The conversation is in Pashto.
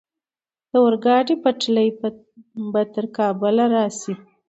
د اورګاډي پټلۍ به تر کابل راشي؟